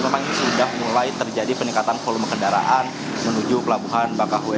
memang ini sudah mulai terjadi peningkatan volume kendaraan menuju pelabuhan bakahu